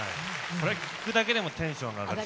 これ聴くだけでもテンション上がるし。